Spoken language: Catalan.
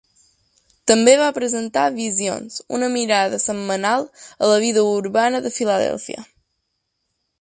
També va presentar "Visions", una mirada setmanal a la vida urbana de Philadelphia.